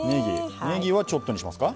ねぎはちょっとにしますか？